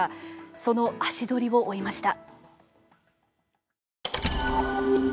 その足取りを追いました。